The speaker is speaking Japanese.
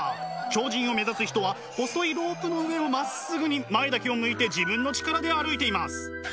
超人を目指す人は細いロープの上をまっすぐに前だけを向いて自分の力で歩いています。